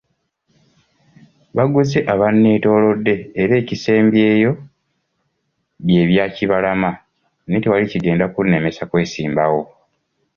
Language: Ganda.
Baguze abanneetoolodde era ekisembyeyo bye bya Kibalama naye tewali kigenda kunnemesa kwesimbawo.